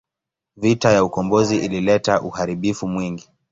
Vita ya ukombozi ilileta uharibifu mwingi.